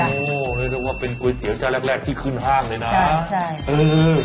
คอกว่าเป็นก๋วยเตี๋ยวแรกที่ขึ้นห้างเลยนะ